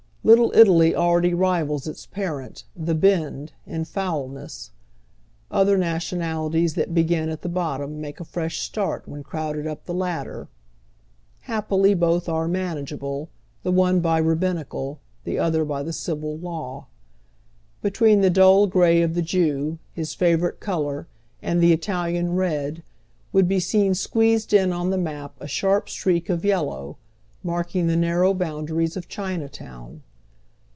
Little Italy already rivals ita parent, the " Bend," in foulness. Otiier nationalities that begin at the bottom make a fresh start when crowded up the ladder. Happily both are manage able, the one by i abbinicai, the otiier by the civil law. be tween the dull gray of the Jew, his favoi'ite color, and the Italian I'od, would be seen squeezed in on the map a sharp streak of yellow, marking the narrow boundanes of China town.